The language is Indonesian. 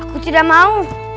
aku tidak mau